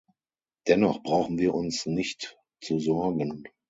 Dennoch brauchen wir uns nicht zu sorgen.